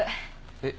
えっ？